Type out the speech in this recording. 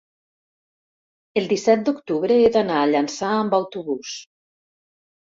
el disset d'octubre he d'anar a Llançà amb autobús.